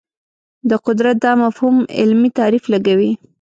د قدرت دا مفهوم علمي تعریف لګوي